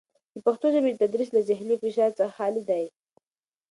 د پښتو ژبې تدریس له زهني فشار څخه خالي دی.